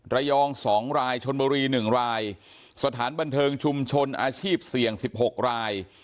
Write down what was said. ระยอง๒รายชนบุรี๑รายสถานบันเทิงชุมชนอาชีพเสี่ยง๑๖ราย